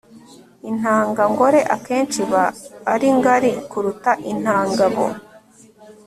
intangangore akenshi iba ari ngari kuruta intangabo